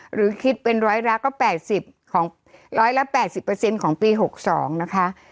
หรือคิดเป็นร้อยละก็๘๐ของ๑๘๐ของปี๖๒นะคะ